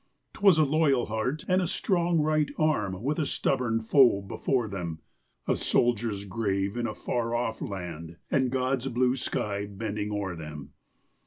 'Twas a loyal heart, and a strong right arm, With a stubborn foe before them; A soldier's grave in a far off land, And God's blue sky bending o'er them.